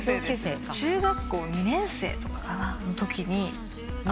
中学校２年生とかかな？